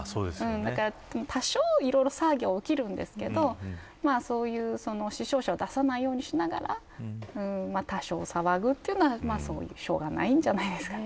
多少いろいろ騒ぎは起きますけど死傷者を出さないようにしながら多少、騒ぐのはしょうがないんじゃないですかね。